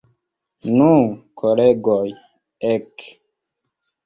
Nu, kolegoj, ek!